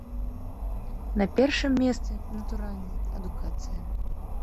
На першым месцы, натуральна, адукацыя.